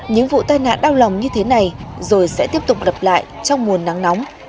những vụ tai nạn đau lòng như thế này rồi sẽ tiếp tục lập lại trong mùa nắng nóng